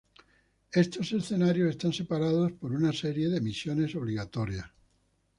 Estos escenarios están separados por una serie de misiones obligatorias.